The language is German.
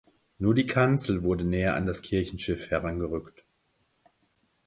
Nur die Kanzel wurde näher an das Kirchenschiff herangerückt.